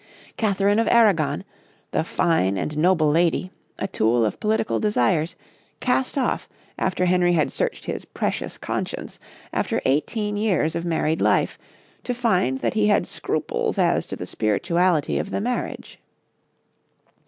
Katherine of Aragon the fine and noble lady a tool of political desires, cast off after Henry had searched his precious conscience, after eighteen years of married life, to find that he had scruples as to the spirituality of the marriage.